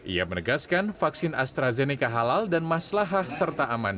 ia menegaskan vaksin astrazeneca halal dan maslahah serta aman